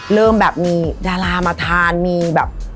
เริ่มแบบมีดารามาทานมีแบบ